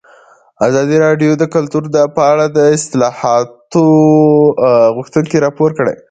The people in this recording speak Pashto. ازادي راډیو د کلتور په اړه د اصلاحاتو غوښتنې راپور کړې.